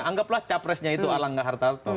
anggaplah capresnya itu elangga hartarto